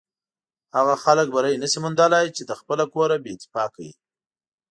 هغه خلک بری نشي موندلی چې له خپله کوره بې اتفاقه وي.